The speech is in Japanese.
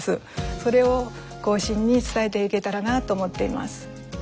それを後進に伝えていけたらなと思っています。